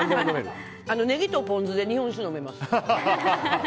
ネギとポン酢で日本酒飲めます。